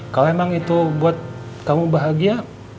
kalau emang itu buat kamu bahagia